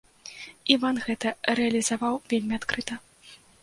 Іван гэта рэалізаваў вельмі адкрыта.